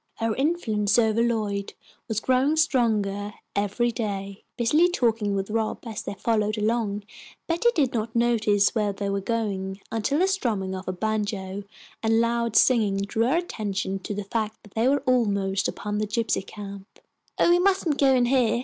Her influence over Lloyd was growing stronger every day. Busily talking with Rob, as they followed along, Betty did not notice where they were going, until the strumming of a banjo and loud singing drew her attention to the fact that they were almost upon the gypsy camp. "Oh, we mustn't go in here!"